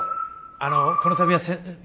あのこの度は。